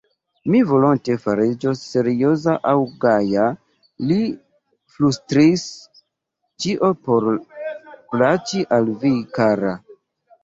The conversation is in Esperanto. Mi volonte fariĝos serioza aŭ gaja, li flustris ; ĉio por plaĉi al vi, kara.